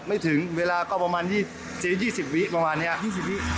ไม่ถึงเวลาก็ประมาณยี่สิบวิประมาณเนี้ยยี่สิบวิ